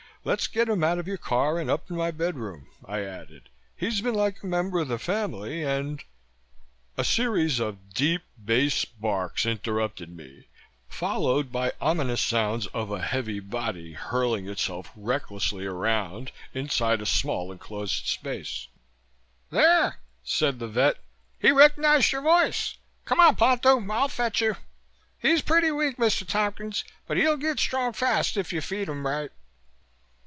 "Let's get him out of your car and up in my bedroom," I added. "He's been like a member of the family and " A series of deep bass backs interrupted me, followed by ominous sounds of a heavy body hurling itself recklessly around inside a small enclosed space. "There!" said the vet. "He recognized your voice. Come on, Ponto. I'll fetch you. He's pretty weak, Mr. Tompkins, but he'll get strong fast if you feed him right."